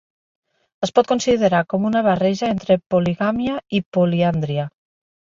Es pot considerar com una barreja entre poligàmia i poliàndria.